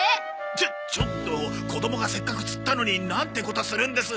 ちょちょっと子供がせっかく釣ったのになんてことするんです！